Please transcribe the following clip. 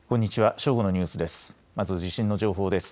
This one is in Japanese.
正午のニュースです。